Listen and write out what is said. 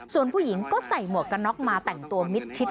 ส่วนผู้หญิงก็ใส่หมวกกันน็อกมาแต่งตัวมิดชิด